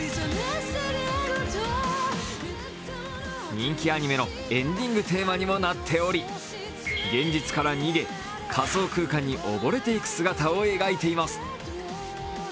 人気にアニメのエンディングテーマにもなっており現実から逃げ、仮想空間に溺れていく姿を描いています。